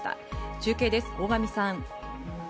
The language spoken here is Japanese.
中継です、大神さん。